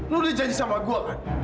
lo udah janji sama gue kan